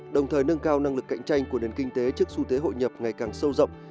đồng thời nâng cao năng lực cạnh tranh của nền kinh tế trước xu thế hội nhập ngày càng sâu rộng